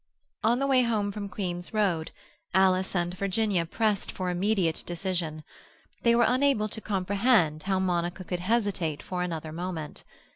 On the way home from Queen's Road, Alice and Virginia pressed for immediate decision; they were unable to comprehend how Monica could hesitate for another moment.